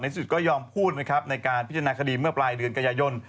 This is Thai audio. ในสุดก็ยอมพูดในการพิจารณาคดีเมื่อปลายเดือนกายยนต์